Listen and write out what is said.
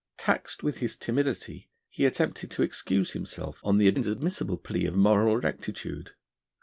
Taxed with his timidity, he attempted to excuse himself on the inadmissible plea of moral rectitude.